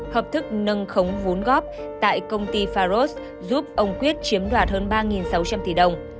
hợp thức nâng khống vốn góp tại công ty faros giúp ông quyết chiếm đoạt hơn ba sáu trăm linh tỷ đồng